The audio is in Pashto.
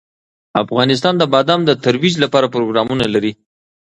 افغانستان د بادام د ترویج لپاره پروګرامونه لري.